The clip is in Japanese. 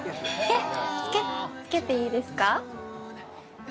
えっつけていいですか？